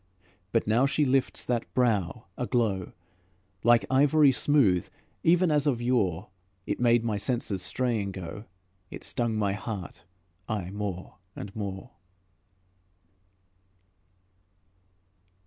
But now she lifts that brow aglow, Like ivory smooth, even as of yore, It made my senses straying go, It stung my heart aye more and more.